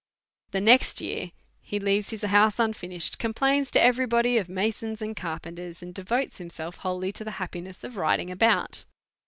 '. The next year he leaves liis house unfinished^ con^ plains to every body of masons and carpenters^ and devotes himself wholly to the happiness of riding about.